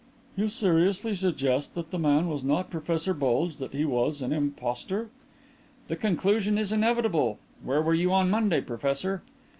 "You seriously suggest that the man was not Professor Bulge that he was an impostor?" "The conclusion is inevitable. Where were you on Monday, Professor?"